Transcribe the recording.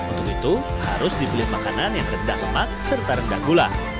untuk itu harus dibeli makanan yang rendah lemak serta rendah gula